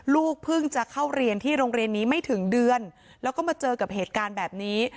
ลูกเพิ่งจะเข้าเรียนที่โรงเรียนนี้ไม่ถึงเดือนแล้วก็มาเจอกับเหตุการณ์แบบนี้